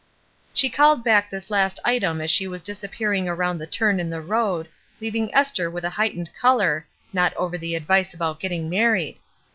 She called back this last item as she was disappearing around the turn in the road, leaving Esther with a heightened color, not over the advice about getting married.